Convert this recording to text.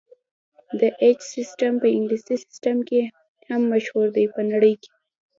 د ایچ سیسټم په انګلیسي سیسټم هم مشهور دی په نړۍ کې.